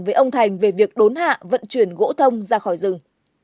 với ông thành về việc đốn hạ vận chuyển gỗ thông ra khỏi rừng